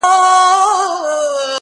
که پنجشېر دی، که واخان دی، وطن زما دی٫